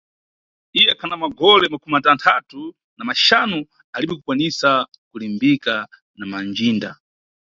Iye akhana magole makumatanthatu na maxanu, alibe kukwanisa kulimbika na ndjinda.